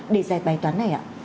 để giải bài toán này ạ